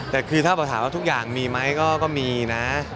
แต่คือถ้าถามว่าทุกอย่างมีไหมก็มีนะ